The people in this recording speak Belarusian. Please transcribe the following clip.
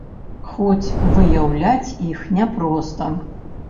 Хоць выяўляць іх няпроста.